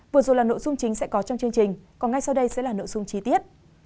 vừa rồi là nội dung chính sẽ có trong chương trình còn ngay sau đây sẽ là nội dung chi tiết